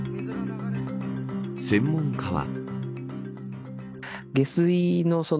専門家は。